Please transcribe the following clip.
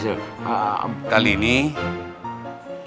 saya akan berbicara dengan anda